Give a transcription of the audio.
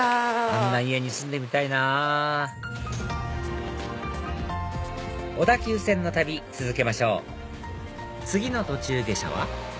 あんな家に住んでみたいなぁ小田急線の旅続けましょう次の途中下車は？